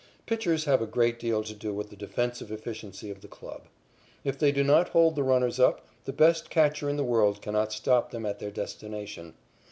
Pitchers have a great deal to do with the defensive efficiency of the club. If they do not hold the runners up, the best catcher in the world cannot stop them at their destination.